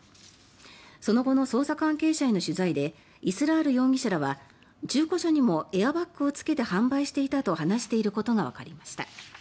その後の捜査関係者への取材でイスラール容疑者らは中古車にもエアバッグをつけて販売していたと話していることがわかりました。